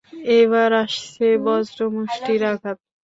এবার আসছে বজ্রমুষ্টির আঘাত!